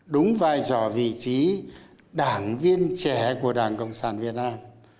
đúng vai trò vị trí đảng viên trẻ của đảng cộng sản việt nam